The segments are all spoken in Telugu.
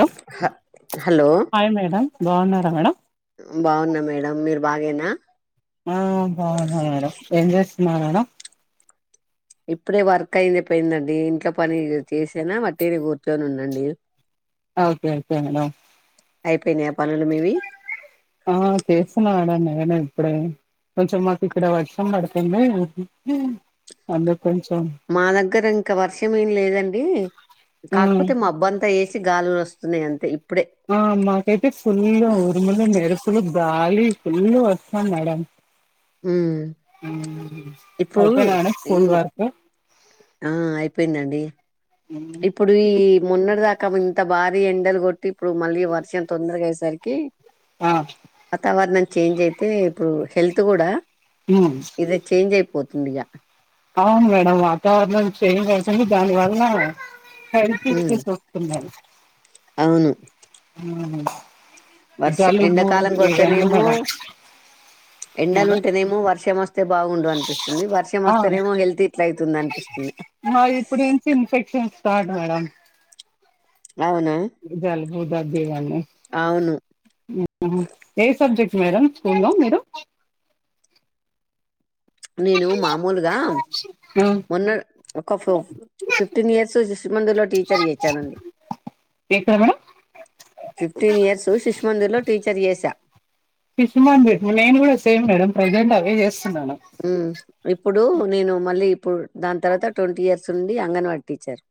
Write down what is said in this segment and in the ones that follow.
హలో హలో హాయ్ మేడం, బాన్నారా మేడం. బాగున్నా మేడం, మీరు బాగేనా. ఆ బాగున మేడం, ఏం జెస్తున్నారు మేడం. ఇప్పుడే వర్క్, అయింది, పోయిందండి, ఇంట్లో, పని, జె చేసేనా వట్టిగనే కూర్చొని, ఉన్నా. అండి. Okay okay madam. అయిపోయినాయ ఏం ఆ చేస్తున్నా ఆడానే. నా ఇప్పుడే కొంచెం మాకు ఇక్కడ వర్షం పడుతుంది అందుకే మా దగ్గర ఇంకా వర్షం ఏం లేదండి ఆ కాకపోతే మబ్బు అంతా వేసి గాలులు వస్తున్నాయి అంతే ఇప్పుడే ఆ. మా కయితే ఫుల్ ఉరుములు, మెరుపులు ఫు గాలి ఫుల్ వర్షం మేడం ఉమ్ ఇప్పుడు అయిపోయిందాండి స్కూల్ ఇగో వార్క్ ఆ అయిపోయిందండి. ఉమ్. ఇప్పుడు ఈ మొన్నటి దాకా ఇంత బాగా అది ఎండలు కొట్టి ఇప్పుడు మళ్ళీ వర్షం తొందరగా అయ్యేసరికి ఆ ఆ తర్వాత చేంజ్ అయితే ఇప్పుడు హెల్త్ కూడా ఉమ్. ఇదే చేంజ్ అయిపోతుంది ఇక అవును మేడం వాతావరణం చేంజ్ అయిపోయి దాని వలన హెల్త్ ఉమ్ ఇష్యూస్ వస్తున్నాయ్. అవును మ్ వర్ష ఎంండకాలం ఇవన్నీ కొడతేనేమో మేడం ఎండలు మేడం ఉంటేనేమో వర్షం వస్తే బాగుండు అనిపిస్తుంది వర్షం ఆ వస్తే వస్తేనేమో హెల్త్ ఇట్లా అవుతుంది అనిపిస్తుంది. మా ఇప్పుడు నుంచి ఇన్ఫెక్షన్ స్టార్ట్ మేడం అవునా జలుబు దగ్గే కద నే అవును ఏ సబ్జెక్ట్ మేడం స్కూ లో మీరు నేను మామూలుగా ఉమ్. మొన్న ఒక ఫ ఫిఫ్టీన్ ఇయర్స్ శిష్మందిర్లో లో టీచర్ గా చేసానండి. ఏంటి సార్ ఫిఫ్టీన్ ఇయర్సు శిష్మందిర్లో టీచర్ గా చేశా శిష్మందిర్ నేను కూడా సేమ్ మేడం ప్రజెంట్ అదే చేస్తున్నా ఉ ఇప్పుడు నేను మళ్ళీ ఇప్పుడు దాని తర్వాత ట్వంటీ ఇయర్స్ నుండి అంగన్వాడి టీచర్.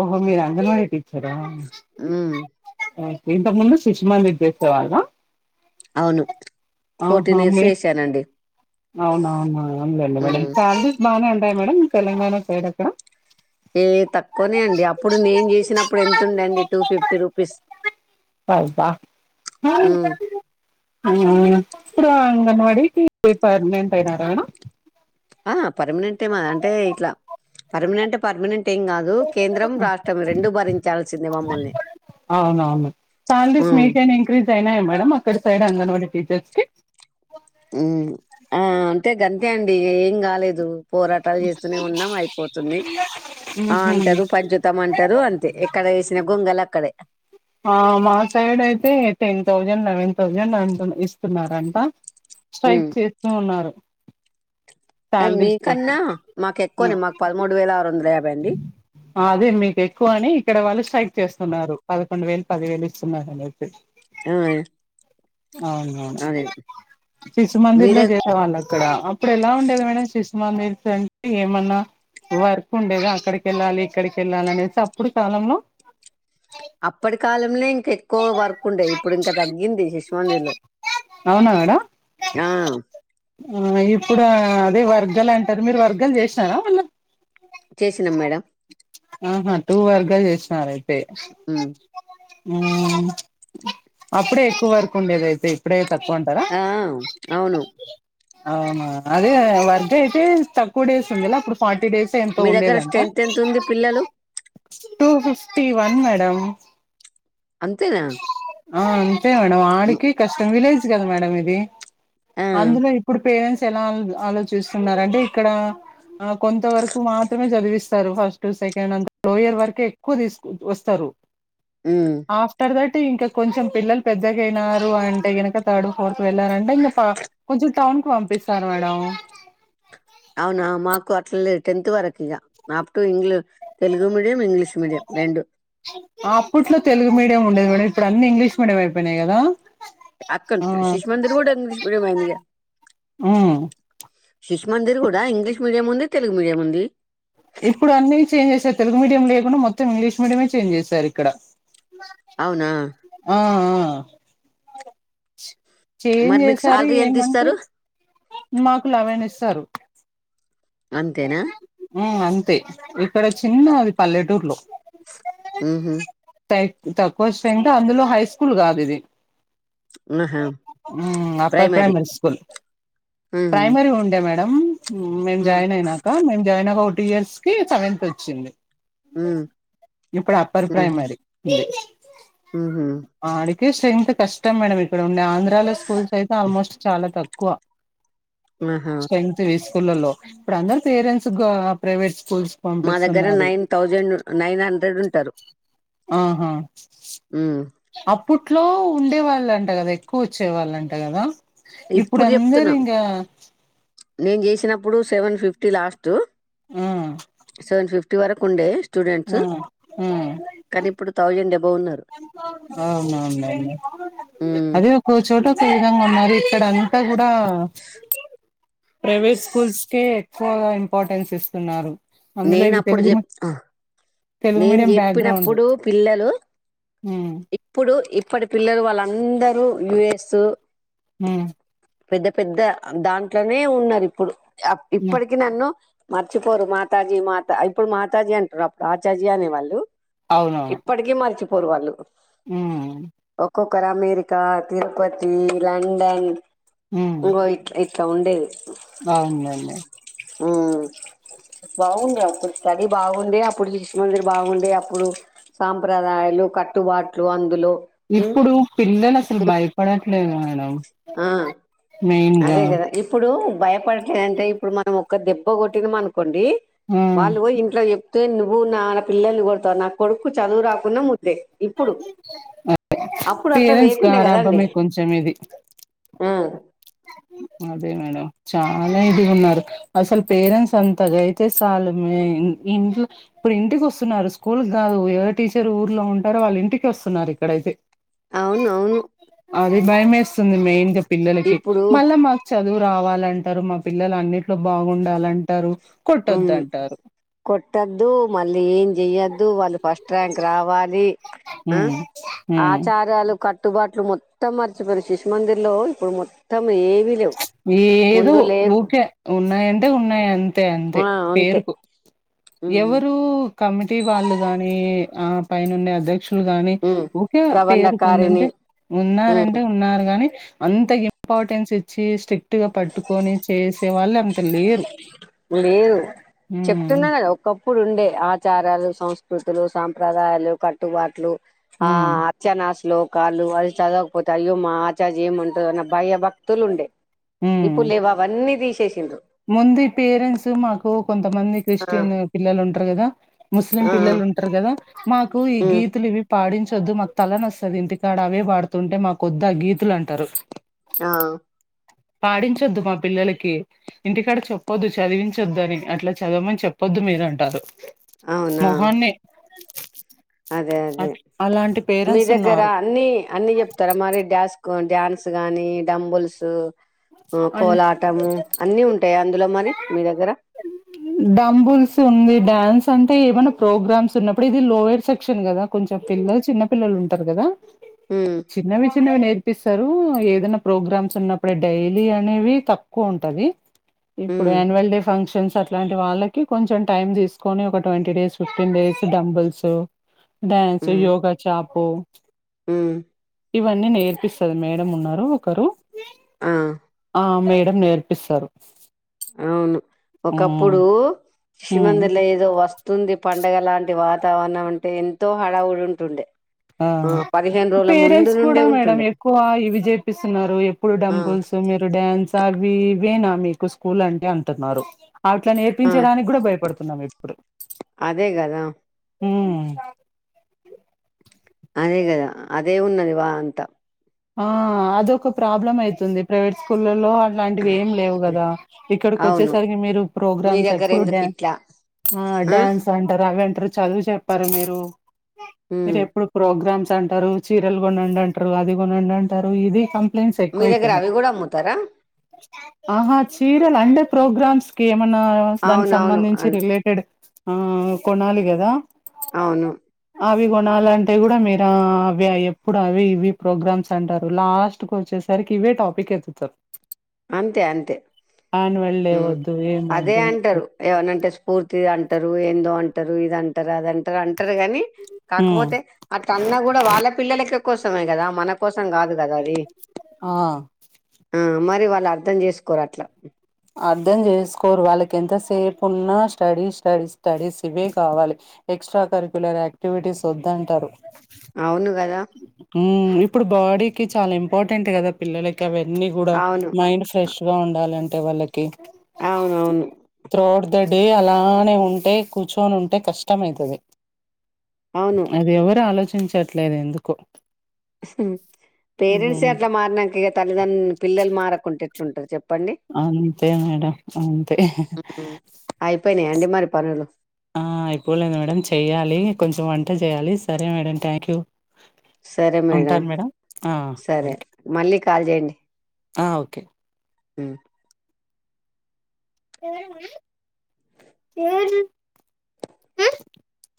ఓహో మీరు అంగన్వాడి టీచర్ ఉమ్, ఆ ఇంతకుముందు శిష్మందిర్లో చేసేవాళ్ళా అవును ఆహా ఫోర్టీన్ ఇయర్స్ మీ చేశానండి అవునా అవునా అ మేడం ఉమ్, సాలరీస్ బాగానే ఉంటాయా మేడం తెలంగాణ సైడ్ ఎక్కడ ఏ తక్కువనే అండి అప్పుడు నేను చేసినప్పుడు ఎంతుండండి టూ ఫిఫ్టీ రూపీస్. ప బ [unintelligible] అంగన్వాడికి టీచర్ గా పర్మనెంట్ అయినారా ఆ పర్మనెంటే మాది అంటే ఇట్లా పర్మనెంటే పర్మనెంటే పర్మనెంటేమ్ కాదు కేంద్రం రాష్ట్రం రెండూ భరించాల్సింది మమ్మల్ని. అవునవును సాలరీస్ ఉమ్ మీకైనా ఇంక్రీజ్ అయినా మేడంమ్ అక్కడ సైడ్ అంగన్వాడీ టీచర్స్కి అయితే గంతే అండి ఏం కాలేదు పోరాటాలు చేస్తూనే ఉన్నాం అయిపోతుంది. ఆ ఉహు అంటారు పంచుతాము అంటారు అంతే ఎక్కడ వేసిన గొంగలు అక్కడే. ఆ మా సైడ్ అయితే టెన్ థౌజండ్ లెవెన్ థౌజండ్ ఇస్తున్నారంట. ఉమ్ స్ట్రైక్ చేస్తూ ఉన్నారు. శాలరీస్ కోసం మీకన్నా మాకు ఆ, ఎక్కువనే మాకు పదమూడు వేల ఆరు వందల యాభై అండి. అదే మీకు ఎక్కువ అని ఇక్కడ వాళ్ళు స్ట్రైక్. చేస్తున్నారు పదకొండు వేలు పది వేలు ఇస్తున్నారు అనియితే అయ్ అవునవును శిశుమందిర్లో మీరే చేసేవాళ్ళు అక్కడ అప్పుడు ఎలా ఉండేది మేడం శిశు మందిర్స్ అంటే ఏమన్నా వర్క్ ఉండేది అక్కడికి వెళ్ళాలి ఇక్కడికి వెళ్ళాలి అనేసి అప్పుడు కాలంలో అప్పటి కాలంలోనే ఇంకా ఎక్కువ వర్క్ ఉండేది ఇప్పుడు ఇంకా తగ్గింది శిశుమందిర్లో అడా ఆ ఇప్పుడు ఆ వర్గాలు అంటారు మీరు వర్గాలు చేసినర వాళ్ళు చేసినాం మేడం ఆహా టూ వర్గా చేసినారు అయితే ఉమ్ ఆ అప్పుడే ఎక్కువ వర్క్ ఉండేది అయితే ఇప్పుడైతే ఆ అవును అవునా అదే వర్క్ అయితే తక్కువ డేస్ ఉంది అప్పుడు ఫార్టీ ఫటీ డేస్ ఎంతో మీ దగ్గర ఉండేదంట స్ట్రెంత్ ఎంత ఉంది పిల్లలు టూ ఫిఫ్టీ వన్ మేడం అంతేనా ఆ అంతే మేడం మ్, ఆడికి కష్టం విలేజ్ కదా మేడం ఇది ఆ అందులో ఇప్పుడు పేరెంట్స్ లాలు ఆలోచిస్తున్నారు అంటే ఇక్కడ ఆ కొంత వరకు మాత్రమే చదివిస్తారు ఫస్ట్ సెకండ్ అ లోయర్ వరకే ఎక్కువ తీసుకు వస్తారు ఉమ్ ఆఫ్టర్ దాట్ అే ఇంకా కొంచెం పిల్లలు పెద్దగా అయినారు అంటే గినక థర్డ్ ఫోర్త్ వెళ్ళారంటే ఇంకా కొంచెం టౌ కు పంపిస్తారు మేడం అవునా మాకు అట్ల లేదు టెన్త్ వరకు ఇగా అప్పుడుూ ఇంగ్లు తెలుగు మీడియం ఇంగ్లీష్ మీడియం రెండు అప్పట్లో తెలుగు మీడియం ఉండేది ఇప్పుడు అన్ని ఇంగ్లీష్ మీడియం అయిపోయినాయి కదా అక్కంత ఆ శిశు మందిర్ కూడా ఇంగ్లీష్ మీడియం అయిందిగా ఉమ్ శిశుమందిర్ కూడా ఇంగ్లీష్ మీడియం ఉంది తెలుగు మీడియం ఉంది ఇప్పుడు అన్నిీ చేంజ్ చేసారు తెలుగు మీడియం లేకుండా మొత్తం ఇంగ్లీష్ మీడియమే చేంజ్ చేశారు ఇక్కడ అవునా ఆ ఆ చేం మరి మీకు చేసారు శాలరీ ఎంత ఏమంటే ఇస్తారు మాకు ఎలెవన్ ఇస్తారు అంతేనా ఆ అంతే ఇక్కడ చిన్న అది పల్లెటూరులో ఉహు తక్కువ స్ట్రింగ్త్ అందులో హై స్కూల్ కాదు ఇది ఆహా హ్మ్మ్ అప్పర్ ప్రైమరీ స్కూల్ ఉహు ప్రైమరీ ఉండే మేడం హ్మ్మ్ ఉమ్ జాయిన్ అయినాక మేము జాయిన్ అ ఒక టూ ఇయర్స్ కి సెవెంత్ వచ్చింది ఇప్పుడు అప్పర్ ప్రైమరీ హ్మ్మ్ స్ట్రింగ్త్ కష్టం మేడం ఇక్కడ ఉండే ఆంధ్రాలో స్కూల్స్ అయితే ఆల్మోస్ట్ చాలా తక్కువ ఆహా స్ట్రెంగ్త్ స్కూళ్లలో ఇప్పుడు అందరు పేరెంట్స్ ప్రైవేట్ స్కూల్స్ మా దగ్గర పంపిస్తున్నారు నైన్ థౌజండ్ నైన్ హండ్రెడ్ ఉంటారు ఆహా ఉమ్ అప్పుడు ఇంట్లో ఉండే వాళ్ళంట కదా ఎక్కువ వచ్చే వాళ్ళుంట కదా ఇప్పుడు అందరు చెప్తున్నా ఇంకా నేను చేసినప్పుడు సెవెన్ ఫిఫ్టీ లాస్ట్ ఆ ఇటి వరకు ఉండే ఆ స్టూడెంట్స్ కానీ ఇప్పుడు థౌజండ్ అబవ్ ఉన్నారు ఆ అవునువును లెండి ఉమ్ అదే ఓ చు ఈ విధంగా ఉన్నది ఇక్కడంతా కూడా ప్రైవేట్ స్కూల్స్ కే ఎక్కువగా ఇంపార్టెన్స్ ఇస్తున్నారు అందులో నేను ఇవి అప్పుడు తెలుగు చెప్ మీ- ఆ తెలుగు నేను మీడియం బ్యాక్గ్రౌండ్ చెప్పినప్పుడు పిల్లలు ఉమ్, ఇప్పుడు ఇప్పటి పిల్లలు వాళ్ళందరూ యుఎస్ హ పెద్ద పెద్ద దాంట్లోనే ఉన్నారు ఇప్పుడు ఉమ్. ఇప్పటికి నన్ను మర్చిపోరు మాతాజీ మాతా ఇప్పుడు మాతాజీ అంటరు అప్పుడు ఆచాజీ అనేవాళ్ళు అవునవును ఇప్పటికీ మర్చి పోర్ వాళ్ళు ఉమ్, ఒక్కొ ఓ ఒక్కర్ అమెరికా తిరుపతి లండన్ ఉమ్. ఇగో ఇట్లా ఇట్ల ఉండేది అవునండి ఉమ్ బాగుండే అప్పుడు స్టడీ బాగుండే అప్పుడు శిశు మందిర్ బాగుండే అప్పుడు సాంప్రదాయాలు కట్టుబాట్లు అందులో ఉమ్ ఇప్పుడు పిల్లలు అసలు భయపడట్లేదు మేడం ఆ మెయిన్ గా అదే కదా ఇప్పుడు భయప ఎ అంటే ఇప్పుడు మనం ఒక్క దెబ్బ కొట్టిన అనుకోండి ఆ వాళ్ళు ఇంట్లో నువ్వు నా పిల్లల్ని కొడతావు నా కొడుకు చదువు రాకున్నా ముద్దే ఇప్పుడు అ అప్పుడు అట్లా పేరెంట్స్ లేకుండే కదండి గారాభమే కొంచెం ఇది ఆ అదే మేడం చాలా ఇది ఉన్నారు అసలు పేరెంట్స్ అంతగా అయితే సాలు ఏ ఇంట్ ఇప్పుడు ఇంటికి వస్తున్నారు స్కూల్ కాదు ఎవ టీచర్ ఊర్లో వాళ్ళు ఇంటికే వస్తున్నారు ఇక్కడైతే అవునవును అది భయ వేస్తుంది మెయిన్ గా పిల్లలకి ఇప్పుడు మళ్ళా మాకు చదువు రావాలంటారు మా పిల్లలు అన్ని గుండాలంటారు ఉమ్ కొట్టొద్దంటారు కొట్టద్దు మళ్ళీ ఏం చెయ్యొద్దు వాళ్ళు ఫస్ట్ ర్యాంక్ రావాలి ఆ ఉమ్ ఉమ్ ఆచారాలు కట్టుబాట్లు ఇప్పుడు మొత్తం మర్చిపోయారు శిశుమందిర్ లో ఇప్పుడు మొత్తం ఏవీ లేవు ఏదో ముందు లేకు ఊరికే ఉన్నాయంటే ఉన్నాయి అంతే అంతే ఆ అంతే పేరుకు ఉమ్ ఎవరు కమిటీ వాళ్ళు గాని ఆ పైనుండే అధ్యక్షుడు గాని ఉమ్ ఒకే ప్రబంధకారిణి పేరుకుందంటే ఉమ్ ఉన్నారంటే ఉన్నారు గాని అంత ఇంపార్టెన్స్ ఇచ్చి స్ట్రిక్ట్ గా పట్టుకొని చేసే వాళ్ళు లేరు లేదు హ్మ్ చెప్తున్నా కదా ఒకప్పుడు ఉండే ఆచారాలు సంస్కృతులు సాంప్రదాయాలు కట్టుబాట్లు ఆ హ్మ్ అచ్చనా శ్లోక్ కాలు వాళ్ళు చదవకపోతే అయ్యో మా ఆచాజ ఏమి అంటదో అన్న భయ భక్తులు ఉండే హ్మ్ ఇపులేవు అవన్నీ దీశేసి ముందు ఈ పేరెంట్స్ మాకు కొంతమంది ఆ క్రిస్టియన్ పిల్లలు ఉంటారు కదా ముస్లిం ఆ పిల్లలు ఉంటారు కదా మాకు ఈ ఉమ్ గీతులు ఇవి పాడించు ద్దు మాకు తలనోస్తది ఇంటికాడ అవే పాడుతుంటే మాకు కొద్దు ఆ గీతులు అంటారు ఆ పాడించొద్దు మా పిల్లలకి ఇంటికాడ చెప్పొద్దు చదివించొద్దు అని అట్లా చదవమని చెప్పొ వద్దు మీద అంటారు అవునా మొహాన్ని అదే అదే అట్ అలాంటి మీ పేరెంట్స్ దగ్గర ఉన్నారు అన్ని అన్ని చెప్తారా మరి డాన్స్ డ్యాన్స్ గానీ డంబుల్స్ అన్ కోలాటము అన్ని ఉంటాయ డంబుల్స్ ఉంది డ్యాన్స్ అంటే ఏమైనా ప్రోగ్రామ్స్ ఉన్నప్పుడు ఇది లోయర్ సెక్షన్ కదా కొంచెం పిల్లలు చిన్న పిల్లలు ఉంటారు కదా ఉమ్ చిన్నవి చిన్నవి నే పిస్తారు ఏదైనా ప్రోగ్రామ్స్ ఉన్నప్పుడే డైలీ అనేవి తక్కువ ఉంటది ఇప్పుడు ఉమ్ యాన్యువల్ డే ఫంక్షన్స్ అట్లాంటి వాళ్ళకి కొంచెం టైమ్ తీసుకొని ఒక twenty days fifteen days dumbbells dance um yoga చాపు ఉమ్ ఇవన్నీ నేర్పిస్త ది మేడం ఉన్నారు ఒకరు ఆ ఆ మేడం నేర్పిస్తారు అవును మ్మ్ ఒకప్పుడు మ్మ్ షిమందిలో ఏదో వస్తుంది పండగ లాంటి వాతావరణం అంటే ఎంతో హడావిడి వుంటుండే ఆ పదిహేను రోజుల ముందు పేరెంట్స్ కూడా నుండే మేడం ఉంటుండే ఎక్కువ ఇవి చేపిస్తున్నారు ఎప్పుడు ఆ డబుల్స్ మీరు డ్యాన్స విఇవేనా మీకు స్కూల్ అంటే అంటున్నారు అట్లా ఆ నేర్పించడానికి కూడా భయపడుతున్నాం ఇప్పుడు అదే కదా హు మ్ అదే కదా అదే ఉన్నది వా అంతా ఆ అదొక ప్రాబ్లం అయితుంది ప్రైవేట్ స్కూలల్లో అలాంటివి ఏం లేవు కదా ఇక్కడికి అవును వచ్చేసరికి మీరు మీ ప్రోగ్రామ్స్ దగ్గర ఎప్పుడు ఎందుకు డ్యాన్స్ ఇట్లా ఆ డ్యాన్స్ అంటారు అవంటారు చదువు చెప్పర మీరు మీరు ఉమ్ ఎప్పుడు ప్రోగ్రామ్స్ అంటారు చీరలు కొనండి అంటరు అది కొనండి అంటరు ఇది కం ప్లన్స్ మీ దగ్గర ఎక్కువైపోయినాయి అవి కూడా అమ్ముతారా ఆహా చీరల్ అంటే ప్రోగ్రామ్స్ కి ఏమన్నా దానికి అవునవును సంబంధించి అన్- రిలేటెడ్ ఆ కొనాలి కదా అవును అవి కొనాలంటే కూడా మీరు అవి ఎప్పుడు అవి ఇవి ప్రోగ్రామ్స్ అంటారు లాస్ట్ కు వచ్చేసరికి ఇవే టాపిక్ ఎత్తు తారు అంతె అంతే డే ఊ వద్దు, అదే ఏమొద్దు మీకు అంటరు ఏమన అంటే స్ఫూర్తి అంటరు ఏందో అంట్ అంటరు ఇదంటరు అదంటరు అంటరు గాని హ్మ్. కాకపోతె అట్ల అన్న కూడ వాళ్ళ పిల్లలకె కోసమే కదా మన కోసం కాదు కదా అది ఆ! ఊ మరి వాళ్ళు అర్థం చేసుకోరు అట్ల అర్థం చేసుకోరు వాళ్ళకి ఎంతసేపు ఉన్నా స్టడీ స్టడీ స్టడీస్ ఇవే కావాలి ఎక్స్ ట్ర కరిక్యులర్ యాక్టివిటీస్ వద్దంటరు అవును గా ఊ ఇప్పుడు బాడీకి చాలా ఇంపార్టెంట్ కదా పిల్లలకి అవన్నీ కూడా అవును మైండ్ ఫ్రెష్ గా ఉండాలంటే వాళ్ళకి కి అవునవును త్రో అవుట్ డే అలానే ఉంటే కూర్చొని ఉంటే కష్టం అయితది అవును అది ఎవరు ఆలోచించట్లేదు ఎందుకో ఉ పేరెంట్సే హ్మ్ అట్ల మారినంక ఇక తల్లిదండ్ర్ పిల్లలు మారకుంట ఎట్లుంటరు చెప్పండి అంతే మేడం అంతె ఏంటి మరి పనులు ఆ అయిపోలే మేడం చెయ్యాలీ కొంచెం వంట చేయాలి సరే మేడం థ్యాంక్యూ సరె మేడం ఆ సరె థ్యాంక్ మళ్ళీ కాల్ చేయండి ఆ ఓకె ఉమ్ ఏది ఉ